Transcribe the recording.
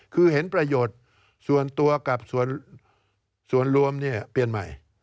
คือเห็นประโยชน์ส่วนตัวกับส่วนรวมเปลี่ยนใหม่